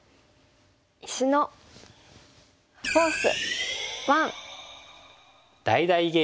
「石のフォース１」。